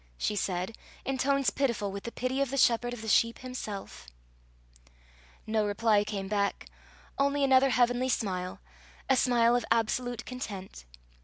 she said, in tones pitiful with the pity of the Shepherd of the sheep himself. No reply came back only another heavenly smile, a smile of absolute content.